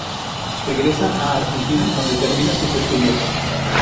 Regresa a Argentina, donde termina sus estudios.